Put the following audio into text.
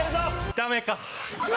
ダメか。